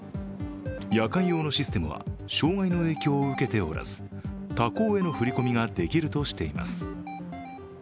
夜間用のシステムは障害の影響を受けておらず他行への振り込みができるとしています。